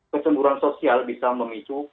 kecemburan sosial bisa memicu